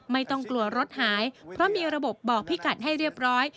ไม่ต้องกลัวรถหายเพราะมีระบบบอกพี่กัดให้เรียบร้อย